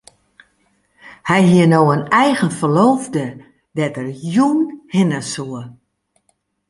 Hy hie no in eigen ferloofde dêr't er jûn hinne soe.